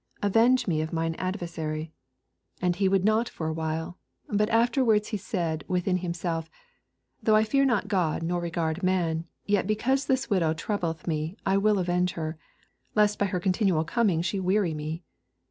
Avenge m^ of mioke adven^ry. 4 And he would act foft a whila 252 EXPOSITORY THOUGHTS. but afterwards he said within him self,' Though I fear not Qod, nor re gard man ; 5 Yet because this widow troubleth me, I will avenge her, lest by her continual coming she weary me.